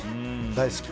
大好き。